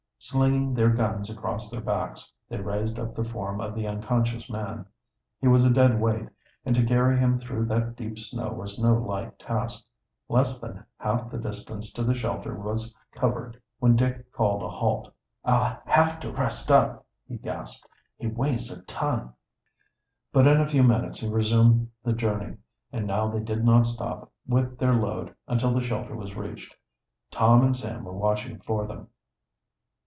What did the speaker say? Slinging their guns across their backs, they raised up the form of the unconscious man. He was a dead weight, and to carry him through that deep snow was no light task. Less than half the distance to the shelter was covered when Dick called a halt. "I'll have to rest up!" he gasped. "He weighs a ton." But in a few minutes he resumed the journey, and now they did not stop with their load until the shelter was reached. Tom and Sam were watching for them.